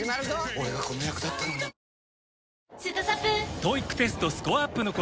俺がこの役だったのにえ？